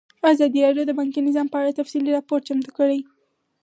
ازادي راډیو د بانکي نظام په اړه تفصیلي راپور چمتو کړی.